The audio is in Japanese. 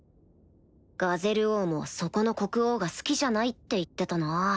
ガゼル王もそこの国王が好きじゃないって言ってたな